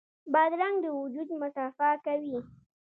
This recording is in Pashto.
بادرنګ د وجود مصفا کوي.